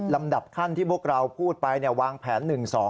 ดับขั้นที่พวกเราพูดไปวางแผน๑๒